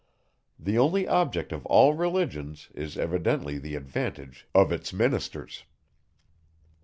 The only object of all religions is evidently the advantage of its ministers.